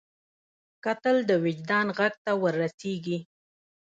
کتل د وجدان غږ ته ور رسېږي